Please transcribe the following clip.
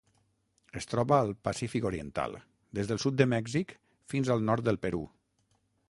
Es troba al Pacífic oriental: des del sud de Mèxic fins al nord del Perú.